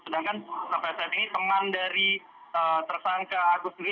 sedangkan sampai saat ini teman dari tersangka agus sendiri